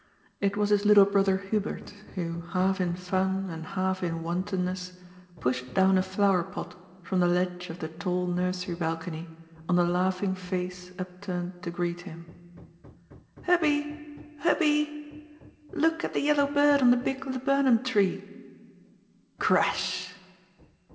It was his little brother Hubert who, half in fan and half in wantonness, poshed down a flower pot from the ledge of the tall nursery balcony on the laughing face upturned to greet him. ^^ Hubby ! Hubby ! look at the yellow bird on the big laburnum tree !'' Crash!